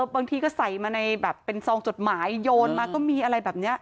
บางทีก็ใส่มาในแบบเป็นซองจดหมายโยนมาก็มีอะไรแบบนี้